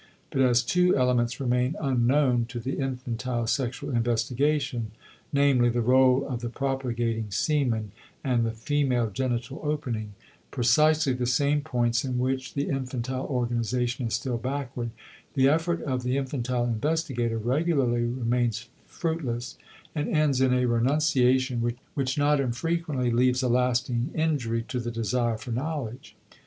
But as two elements remain unknown to the infantile sexual investigation, namely, the rôle of the propagating semen and the female genital opening precisely the same points in which the infantile organization is still backward the effort of the infantile investigator regularly remains fruitless, and ends in a renunciation which not infrequently leaves a lasting injury to the desire for knowledge.